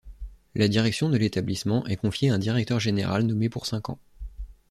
La direction de l'établissement est confiée à un directeur général nommé pour cinq ans.